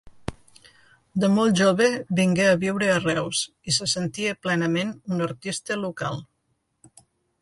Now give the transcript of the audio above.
De molt jove vingué a viure a Reus i se sentia plenament un artista local.